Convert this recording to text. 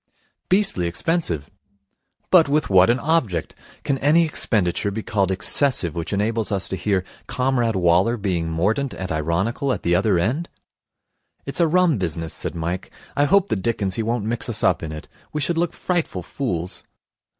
'Beastly expensive.' 'But with what an object! Can any expenditure be called excessive which enables us to hear Comrade Waller being mordant and ironical at the other end?' 'It's a rum business,' said Mike. 'I hope the dickens he won't mix us up in it. We should look frightful fools.'